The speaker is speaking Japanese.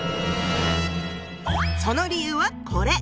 その理由はこれ！